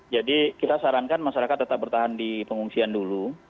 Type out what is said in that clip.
jadi kita sarankan masyarakat tetap bertahan di pengungsian dulu